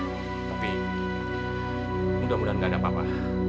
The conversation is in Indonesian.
tapi mudah mudahan gak ada apa apa